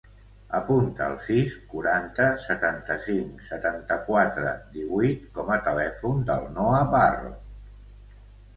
Apunta el sis, quaranta, setanta-cinc, setanta-quatre, divuit com a telèfon del Noah Barron.